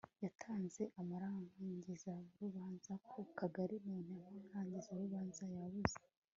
yatanze amarangizarubanza ku kagali none amarangizarubanza yabuze